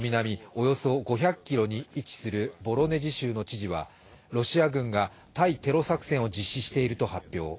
およそ５００ｋｍに位置するボロネジ州の知事はロシア軍が対テロ作戦を実施していると発表。